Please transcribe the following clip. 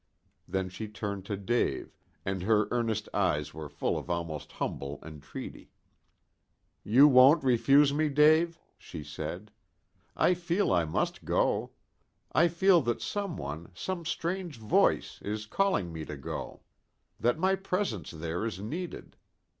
Then she turned to Dave, and her earnest eyes were full of almost humble entreaty. "You won't refuse me, Dave?" she said. "I feel I must go. I feel that some one, some strange voice, is calling to me to go. That my presence there is needed.